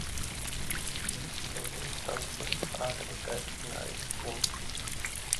Dies bringt uns dann zu der Frage des geistigen Eigentums.